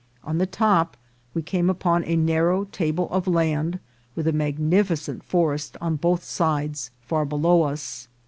On the top we came upon a narrow table of land, with a magnificent forest on both sides far below us.